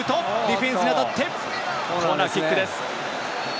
ディフェンスに当たってコーナーキックです。